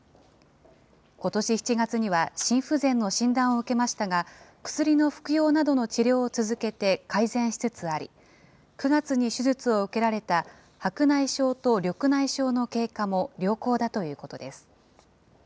ことし７月には心不全の診断を受けましたが、薬の服用などの治療を続けて改善しつつあり、９月に手術を受けられた白内障と緑内障の経過も良好だということです。